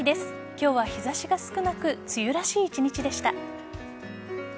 今日は日差しが少なく梅雨らしい一日でした。